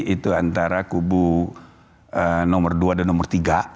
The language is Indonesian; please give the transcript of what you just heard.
itu antara kubu nomor dua dan nomor tiga